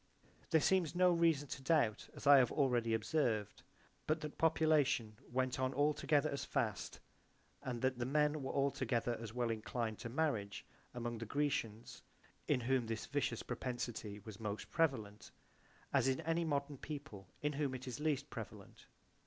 There seems no reason to doubt, as I have already observed but that population went on altogether as fast and that the men were altogether as well inclined to marriage among the GreciansOA in whom this vitious propensity was most prevalent as in any modern people in whom it is least prevalent.